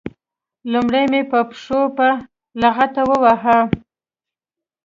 لومړی مې په پښو په لغته وواهه.